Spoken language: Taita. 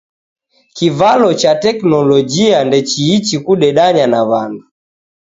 Kivalo cha teknolojia ndechiichi kudedanya na w'andu